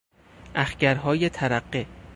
اخگرهای ترقه